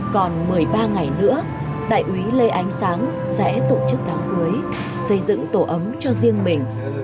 còn một mươi ba ngày nữa đại úy lê ánh sáng sẽ tổ chức đám cưới xây dựng tổ ấm cho riêng mình